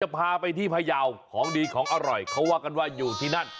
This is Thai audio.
พาไปที่พยาวของดีของอร่อยเขาว่ากันว่าอยู่ที่นั่น